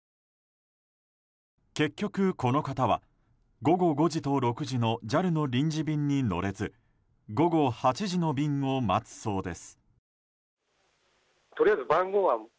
結局、この方は午後５時と６時のＪＡＬの臨時便に乗れず午後８時の便を待つそうです。